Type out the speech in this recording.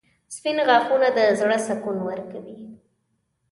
• سپین غاښونه د زړه سکون ورکوي.